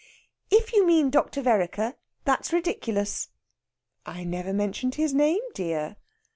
"If you mean Dr. Vereker, that's ridiculous." "I never mentioned his name, dear."